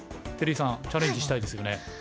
照井さんチャレンジしたいですよね。